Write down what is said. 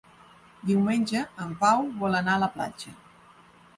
Diumenge en Pau vol anar a la platja.